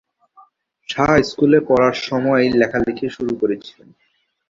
শাহ স্কুলে পড়ার সময়ই লেখালেখি শুরু করেছিলেন।